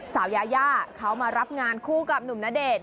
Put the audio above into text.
สาวยายาเขามารับงานคู่กับหนุ่มณเดชน